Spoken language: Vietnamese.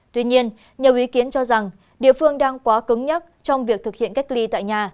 tuy nhiên nhiều ý kiến cho rằng địa phương đang quá cứng nhắc trong việc thực hiện cách ly tại nhà